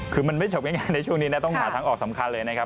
คือมันไม่จบง่ายในช่วงนี้นะต้องหาทางออกสำคัญเลยนะครับ